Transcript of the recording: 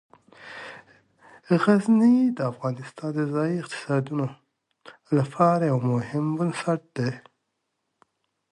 غزني د افغانستان د ځایي اقتصادونو لپاره یو مهم بنسټ دی.